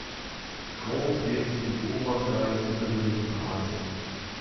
Grant wird zum Beobachter eines ungewöhnlichen Paares.